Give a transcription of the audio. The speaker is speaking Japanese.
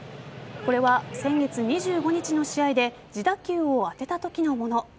これは先月２５日の試合で自打球を当てたときのもの。